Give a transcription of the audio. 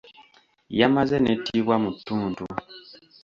Yamaze n'ettibwa mu ttuntu.